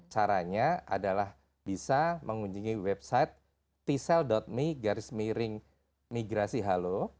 caranya adalah bisa mengunjungi website tsell me garis miring migrasi halo